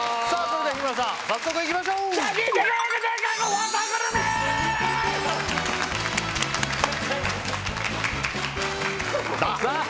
それでは日村さん早速いきましょうさあ